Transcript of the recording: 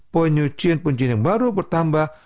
penyucian penyuncin yang baru bertambah